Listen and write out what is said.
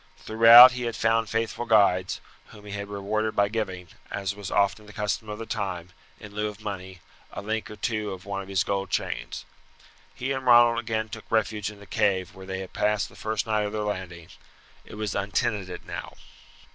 Throughout he had found faithful guides, whom he had rewarded by giving, as was often the custom of the time, in lieu of money, a link or two of one of his gold chains. He and Ronald again took refuge in the cave where they had passed the first night of their landing. It was untenanted now.